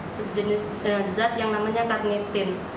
sejenis zat yang namanya karnetin